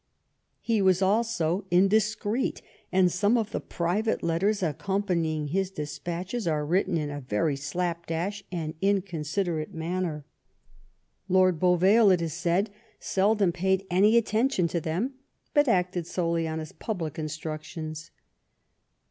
He was also in discreet, and some of the private letters accompanying his despatches are written in a very slapdash and incon siderate manner. Lord Beauvale, it is said, seldom paid any attention to them, but acted solely on his public instructions.